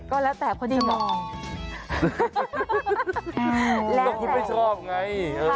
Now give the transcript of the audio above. ก็แล้วแต่คนที่มองแล้วแต่คุณไม่ชอบไง